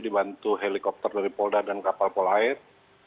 dibantu helikopter dari polda dan kapal pol air